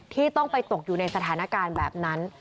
ที่ต้องไปตกอยู่ในสถานการณ์แบบนั้น